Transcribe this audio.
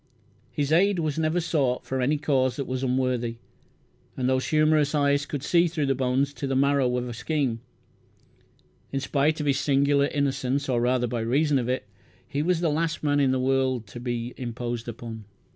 His aid was never sought for any cause that was unworthy, and those humorous eyes could see through the bones to the marrow of a scheme. In spite of his singular innocence, or rather by reason of it, he was the last man in the world to be imposed upon.